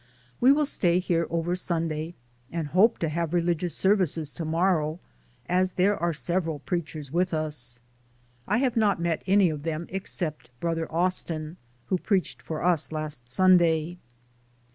We will stay here over Sunday, and hope to have religious services to morrow as there are several preachers with us. I have not met any of them except Brother Austin who preached for us last Sunday.